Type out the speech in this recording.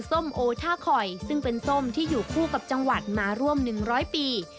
ส้มโอท่าคอยซึ่งเป็นส้มที่อยู่คู่กับจังหวัดมาร่วม๑๐๐ปี